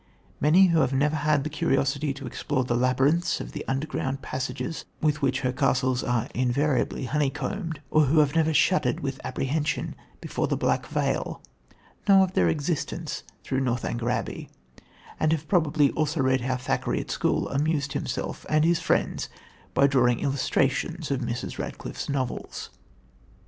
Many who have never had the curiosity to explore the labyrinths of the underground passages, with which her castles are invariably honeycombed, or who have never shuddered with apprehension before the "black veil," know of their existence through Northanger Abbey, and have probably also read how Thackeray at school amused himself and his friends by drawing illustrations of Mrs. Radcliffe's novels.